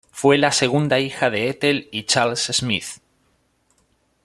Fue la segunda hija de Ethel y Charles Smith.